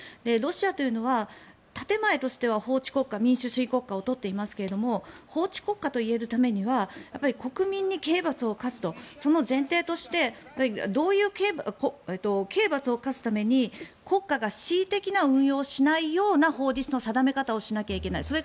ロシアというのは建前としては法治国家、民主主義国家を取っていますけれども法治国家といえるためには国民に刑罰を科す前提として刑罰を科すために国家が恣意的な運用をしないような法律の定め方をしないといけない。